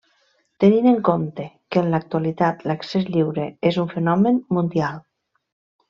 Tenint en compte que en l'actualitat l'accés lliure és un fenomen mundial.